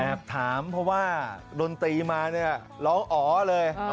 ถามเพราะว่าดนตรีมาเนี่ยร้องอ๋อเลย